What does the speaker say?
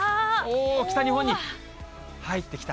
北日本に入ってきた。